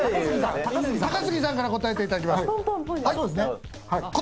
高杉さんから答えていただきます。